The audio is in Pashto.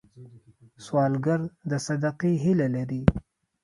سوالګر د صدقې هیله لري